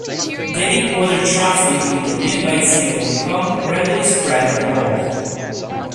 Daily water-traffic with the nearby city of Hong Kong rapidly spread the plague.